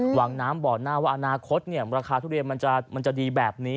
หวังน้ำบ่อหน้าว่าอนาคตราคาทุเรียนมันจะดีแบบนี้